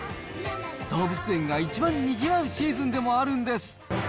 動物園が一番にぎわうシーズンでもあるんです。